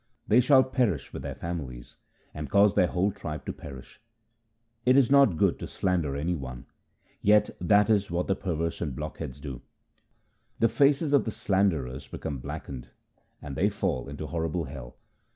They shall perish with their families, and cause their whole tribe to perish. It is not good to slander any one ; yet that is what the perverse and blockheads do. The faces of the slanderers become blackened, and they fall into horrible hell.